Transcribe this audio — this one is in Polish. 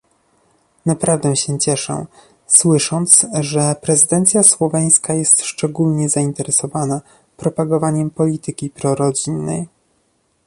Naprawdę się cieszę słysząc, że prezydencja słoweńska jest szczególnie zainteresowana propagowaniem polityki prorodzinnej